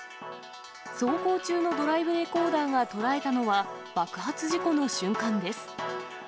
走行中のドライブレコーダーが捉えたのは、爆発事故の瞬間です。